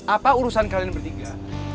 apa urusan kalian bertiga